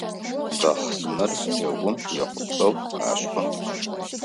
Бахъсымэр джэгум ехъулӏэу ашӏы.